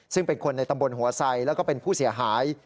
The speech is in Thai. ซึ่งเป็นคนในตำบลหัวไซแล้วก็เป็นผู้เสียหาย